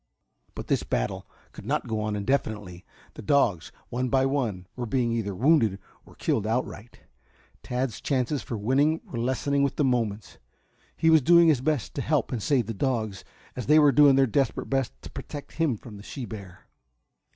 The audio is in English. But this battle could not go on indefinitely. The dogs, one by one, were being either wounded or killed outright. Tad's chances for winning were lessening with the moments. He was doing his best to help and save the dogs and they were doing their desperate best to protect him from the she bear.